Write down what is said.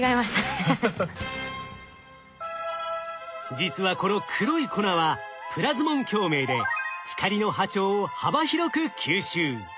実はこの黒い粉はプラズモン共鳴で光の波長を幅広く吸収。